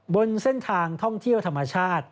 บนเส้นทางท่องเที่ยวธรรมชาติ